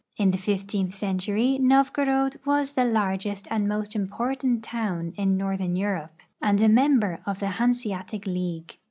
In the fifteenth century NoA'gorod was the largest and most important town in northern Euroj)c and a 10 JiUSSIA IX EUROPE member of the Hanseatic league.